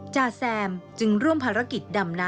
จ่าแซมจึงร่วมภารกิจดำน้ำ